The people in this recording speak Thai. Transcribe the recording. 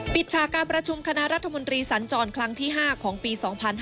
ฉากการประชุมคณะรัฐมนตรีสัญจรครั้งที่๕ของปี๒๕๕๙